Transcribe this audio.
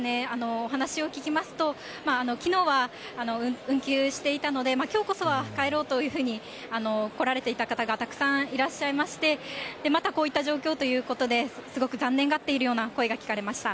お話を聞きますと、きのうは運休していたので、きょうこそは帰ろうというふうに来られていた方がたくさんいらっしゃいまして、またこういった状況ということで、すごく残念がっているような声が聞かれました。